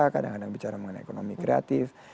kadang kadang bicara mengenai ekonomi kreatif